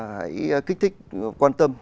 hãy kích thích quan tâm